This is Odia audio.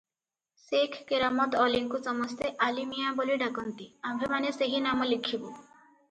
ସେଖ କେରାମତ୍ ଅଲିଙ୍କୁ ସମସ୍ତେ ଆଲିମିଆଁ ବୋଲି ଡାକନ୍ତି, ଆମ୍ଭେମାନେ ସେହି ନାମ ଲେଖିବୁ ।